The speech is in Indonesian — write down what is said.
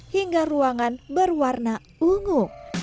hingga ruangan berwarna ungu